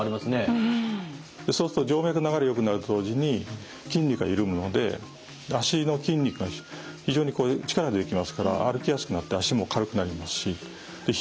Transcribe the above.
そうすると静脈の流れよくなると同時に筋肉が緩むので足の筋肉が非常に力出てきますから歩きやすくなって足も軽くなりますし冷えも取れてきます。